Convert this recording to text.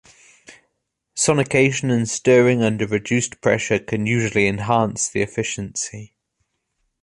Sonication and stirring under reduced pressure can usually enhance the efficiency.